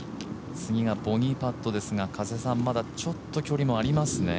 次がボギーパットですが、まだ距離ありますね？